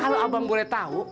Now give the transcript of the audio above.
kalo abang boleh tau